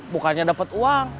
bukannya dapet uang